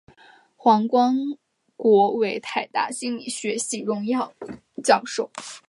黄光国为台大心理学系荣誉教授。